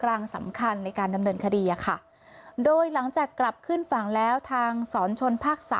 กลางสำคัญในการดำเนินคดีค่ะโดยหลังจากกลับขึ้นฝั่งแล้วทางสอนชนภาค๓